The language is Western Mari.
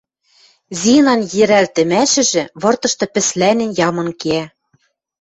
Зинан йӹрӓлтӹмӓшӹжӹ выртышты пӹслӓнен, ямын кеӓ.